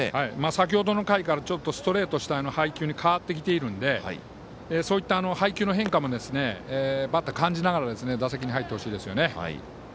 先程の回からストレート主体の配球に変わってきているんでそういった配球の変化もバッター感じながら打席に入ってほしいですよね。